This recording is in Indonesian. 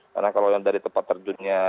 karena kalau yang dari tempat terjunnya